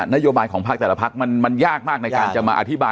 นโยบายของพักแต่ละพักมันยากมากในการจะมาอธิบาย